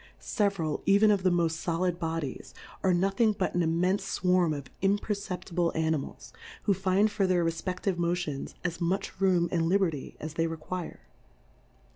Several, even of the moft folid Bodies, are nothing but an immenfe fwarm of im perceptible Animals, who find for their refpeftive Motions as much room and li berty as they require.